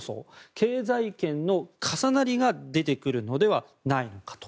経済圏の重なりが出てくるのではないかと。